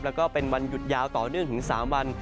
แล้วก็เป็นวันหยุดยาวต่อเนื่องถึง๓วัน